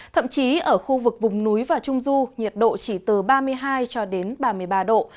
thậm chí ở khu vực vùng núi và trung du nhiệt độ chỉ từ ba mươi hai cho đến ba mươi ba độ